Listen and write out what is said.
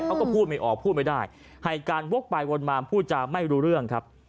เขาก็พูดไม่ออกพูดไม่ได้ให้การวกไปวนมาพูดจาไม่รู้เรื่องครับ